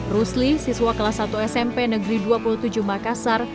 rusli siswa kelas satu smp negeri dua puluh tujuh makassar